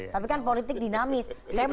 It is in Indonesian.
tapi kan politik dinamis